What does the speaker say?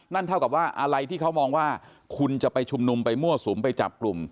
เท่ากับว่าอะไรที่เขามองว่าคุณจะไปชุมนุมไปมั่วสุมไปจับกลุ่ม